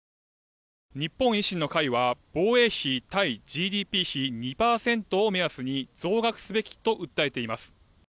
日本維新の会は防衛費対ＧＤＰ比２％を目安に増額すべきと訴えています。